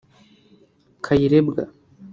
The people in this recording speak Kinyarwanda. Kayirebwa